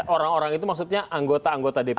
orang orang itu maksudnya anggota anggota dpr